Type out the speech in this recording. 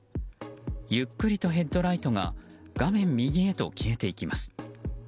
ゆっくりと、ヘッドライトが画面右へと消えていきます。